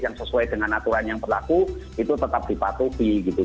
yang sesuai dengan aturan yang berlaku itu tetap dipatuhi gitu